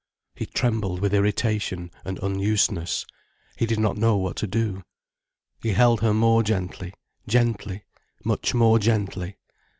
He trembled with irritation and unusedness, he did not know what to do. He held her more gently, gently, much more gently.